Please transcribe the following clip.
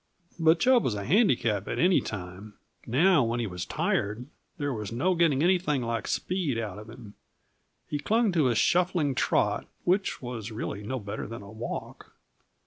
But Chub was a handicap at any time; now, when he was tired, there was no getting anything like speed out of him; he clung to his shuffling trot, which was really no better than a walk.